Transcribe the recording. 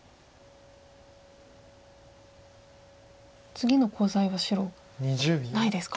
次のコウ材は白ないですか？